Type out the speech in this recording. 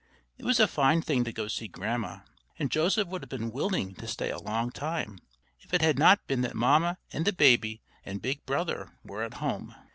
It was a fine thing to go to see Grandma; and Joseph would have been willing to stay a long time, if it had not been that Mamma and the baby and big brother were at home.